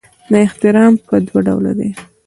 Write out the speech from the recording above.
احترام په دوه ډوله دی.